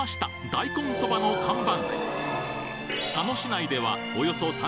「大根そば」の看板